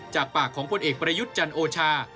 จากปากของพลเอกประยุทธ์จันโอชา